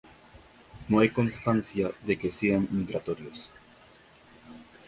No hay constancia de que sean migratorios.